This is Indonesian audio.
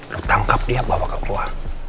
lu tangkap dia bawa ke gua